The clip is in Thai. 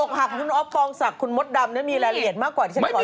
การโอบหักของคุณอ๊อฟปองศักดิ์คุณมดดำเนี่ยมีรายละเอียดมากกว่าที่ฉันขอเสนอข่าว